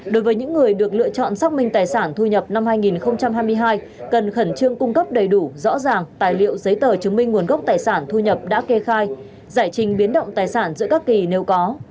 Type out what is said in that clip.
đối với những người được lựa chọn xác minh tài sản thu nhập năm hai nghìn hai mươi hai cần khẩn trương cung cấp đầy đủ rõ ràng tài liệu giấy tờ chứng minh nguồn gốc tài sản thu nhập đã kê khai giải trình biến động tài sản giữa các kỳ nếu có